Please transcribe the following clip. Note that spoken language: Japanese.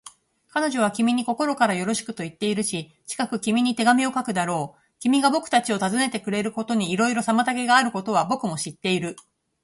彼女は君に心からよろしくといっているし、近く君に手紙を書くだろう。君がぼくたちを訪ねてくれることにいろいろ妨げがあることは、ぼくも知っている。